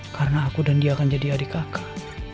karena aku dan dia akan jadi adik kakak